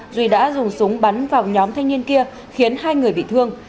duy đã dùng súng bắn vào nhóm thanh niên kia khiến hai người bị thương